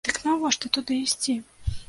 Дык навошта туды ісці?